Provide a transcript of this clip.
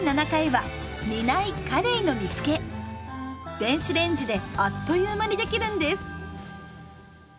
電子レンジであっという間に出来るんです。